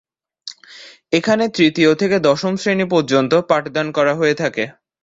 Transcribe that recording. এখানে তৃতীয় থেকে দশম শ্রেণী পর্য্যন্ত পাঠদান করা হয়ে থাকে।